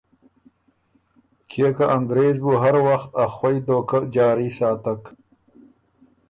کيې که انګرېز بُو هر وخت ا خوئ دهوکۀ جاري ساتک